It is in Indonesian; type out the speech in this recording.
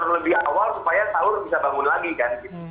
lebih awal supaya saur bisa bangun lagi kan